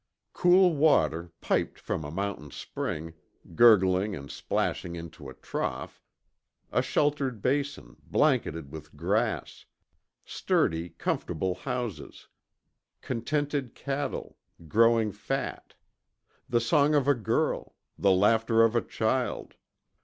Cool water, piped from a mountain spring, gurgling and splashing into a trough ... a sheltered basin, blanketed with grass ... sturdy, comfortable houses ... contented cattle, growing fat ... the song of a girl ... the laughter of a child